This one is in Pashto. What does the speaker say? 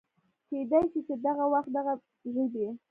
کېدی شي چې دغه وخت دغه ژبې